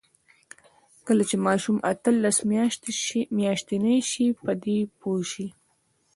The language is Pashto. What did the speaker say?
کله چې ماشوم اتلس میاشتنۍ شي، په دې پوه شي.